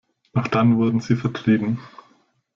Doch dann wurden sie vertrieben.